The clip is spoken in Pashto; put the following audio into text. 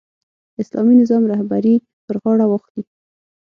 اسلامي نظام رهبري پر غاړه واخلي.